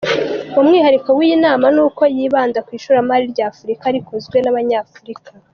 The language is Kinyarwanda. Umwihariko w’iyi nama ni uko yibanda ku ishoramari rya Afurika rikozwe n’Abanyafurika.